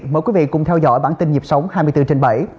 mời quý vị cùng theo dõi bản tin nhịp sống hai mươi bốn trên bảy